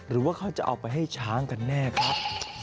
หรือว่าเขาจะเอาไปให้ช้างกันแน่ครับ